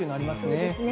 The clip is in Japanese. そうですね。